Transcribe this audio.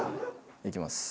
いきます。